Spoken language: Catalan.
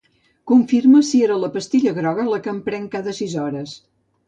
Confirma si era la pastilla groga la que em prenc cada sis hores.